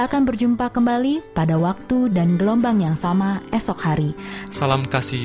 dan sehat secara fisik